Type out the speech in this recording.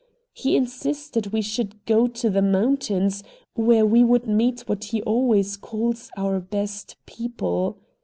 He insisted we should go to the mountains, where we would meet what he always calls "our best people."